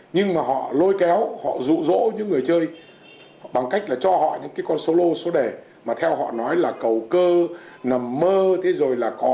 nhưng mà họ lôi kéo họ rụ rỗ những người chơi bằng cách là cho họ những cái con solo số đề mà theo họ nói là cầu cơ nằm mơ